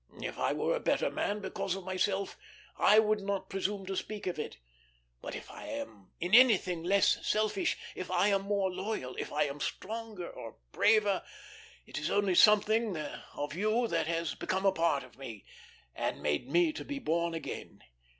If I were a better man because of myself, I would not presume to speak of it, but if I am in anything less selfish, if I am more loyal, if I am stronger, or braver, it is only something of you that has become a part of me, and made me to be born again.